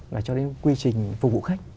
và cho đến quy trình phục vụ khách